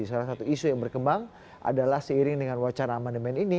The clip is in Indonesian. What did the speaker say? salah satu isu yang berkembang adalah seiring dengan wacana amandemen ini